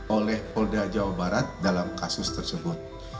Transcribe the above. oleh polda jawa barat dalam kasus tersebut